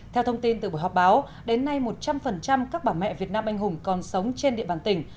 theo thông tin từ buổi họp báo đến nay một trăm linh các bà mẹ việt nam anh hùng còn sống trên địa bàn tỉnh